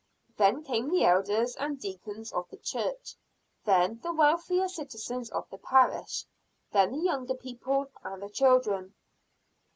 Then came the elders and deacons of the church; then the wealthier citizens of the parish; then the younger people and the children.